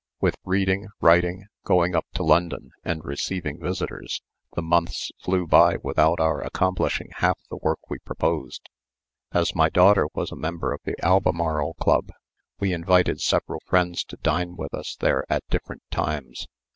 With reading, writing, going up to London, and receiving visitors, the months flew by without our accomplishing half the work we proposed. As my daughter was a member of the Albemarle Club, we invited several friends to dine with us there at different times.